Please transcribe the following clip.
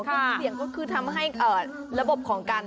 เครื่องเสียงก็คือทำให้ระบบของกัน